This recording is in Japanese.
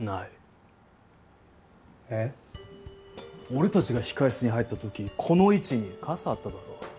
俺たちが控室に入ったときこの位置に傘あっただろ？